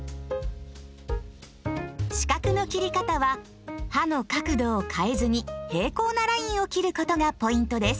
四角の切り方は刃の角度を変えずに平行なラインを切ることがポイントです。